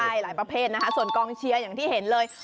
ใช่หลายประเภทนะคะส่วนกองเชียร์อย่างที่เห็นเลย